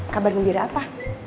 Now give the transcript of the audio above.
kabar gembira apa